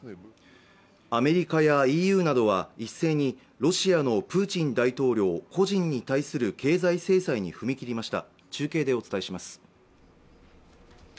アメリカやＥＵなどは一斉にロシアのプーチン大統領個人に対する経済制裁に踏み切りました中継でお伝えします